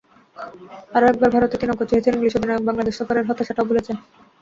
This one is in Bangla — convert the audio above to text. আরও একবার ভারতে তিন অঙ্ক ছুঁয়েছেন ইংলিশ অধিনায়ক, বাংলাদেশ সফরের হতাশাটাও ভুলেছেন।